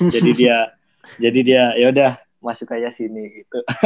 jadi dia yaudah masuk aja sini gitu